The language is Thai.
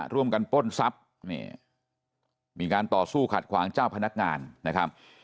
ปล้นทรัพย์นี่มีการต่อสู้ขัดขวางเจ้าพนักงานนะครับ